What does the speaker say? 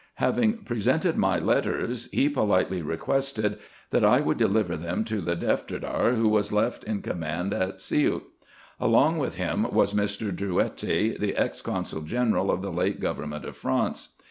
Having presented my letters, he politely requested, that I would deliver them to the Defterdar, who was left in com mand in Siout. Along with him was Mr. Drouetti, the ex consul general of the late government of France.